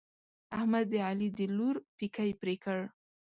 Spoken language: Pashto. احمد د علي د لور پېکی پرې کړ.